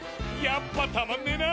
やっぱたまんねな。